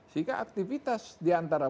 sehingga aktivitas diantara